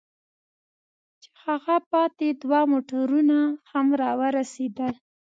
چې هغه پاتې دوه موټرونه هم را ورسېدل.